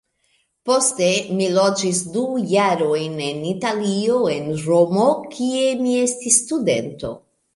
Poste mi loĝis du jarojn en Italio, en Romo, kie mi estis studento.